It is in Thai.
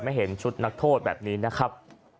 เห็นชุดนักโทษแบบนี้นะครับ